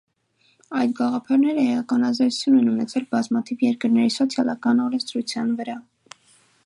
Այդ գաղափարները էական ազդեցություն են ունեցել բազմաթիվ երկրների սոցիալական օրենսդրության վրա։